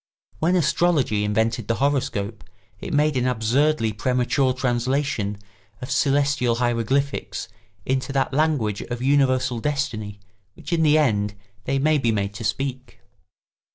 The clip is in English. When astrology invented the horoscope it made an absurdly premature translation of celestial hieroglyphics into that language of universal destiny which in the end they may be made to speak.